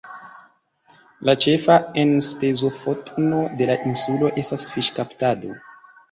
La ĉefa enspezofotno de la insulo estas fiŝkaptado.